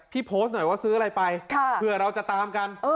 โพสต์หน่อยว่าซื้ออะไรไปเผื่อเราจะตามกัน